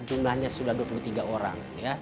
jumlahnya sudah dua puluh tiga orang